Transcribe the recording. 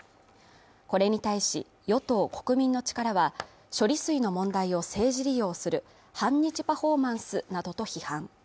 これに対し与党・国民の力は処理水の問題を政治利用する反日パフォーマンスなどと批判。